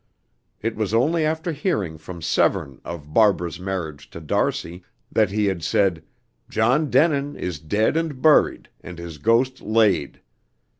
It was only after hearing from Severne of Barbara's marriage to d'Arcy, that he had said, "John Denin is dead and buried, and his ghost laid."